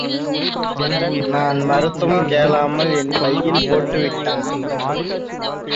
நான் மறுத்தும் கேளாமல் என் பையில் போட்டுவிட்டார்.